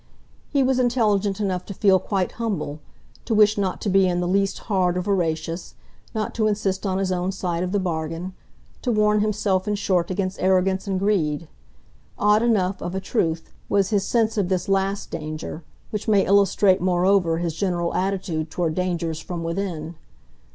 He was intelligent enough to feel quite humble, to wish not to be in the least hard or voracious, not to insist on his own side of the bargain, to warn himself in short against arrogance and greed. Odd enough, of a truth, was his sense of this last danger which may illustrate moreover his general attitude toward dangers from within.